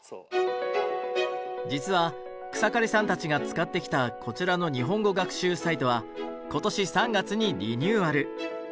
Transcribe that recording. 実は草刈さんたちが使ってきたこちらの日本語学習サイトは今年３月にリニューアル。